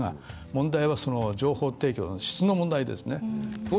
問題は情報提供の質の問題ですね。